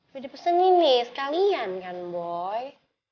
gue udah pesenin nih sekalian kan boy